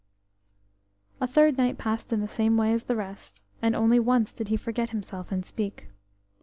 THIRD night passed in the same way as the rest, and only once did he forget himself and speak.